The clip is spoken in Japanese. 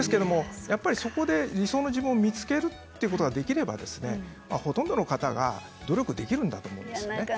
でも理想の自分を見つけるということができればほとんどの方が努力できるんだと思うんです。